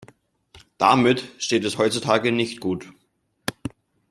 Damit steht es heutzutage nicht gut.